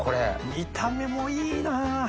見た目もいいなぁ。